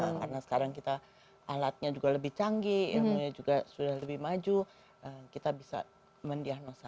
karena sekarang kita alatnya juga lebih canggih ilmunya juga sudah lebih maju kita bisa mendiagnosa